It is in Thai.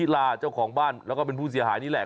แล้วก็เป็นผู้เสียหายนี่แหละ